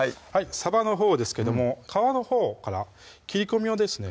さばのほうですけども皮のほうから切り込みをですね